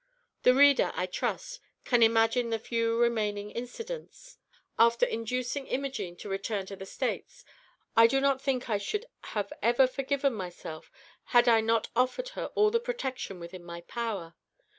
The reader, I trust, can imagine the few remaining incidents. After inducing Imogene to return to the States, I do not think I should have ever forgiven myself had I not offered her all the protection within my power.